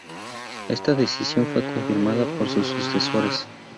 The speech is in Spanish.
Esta decisión fue confirmada por sus sucesores.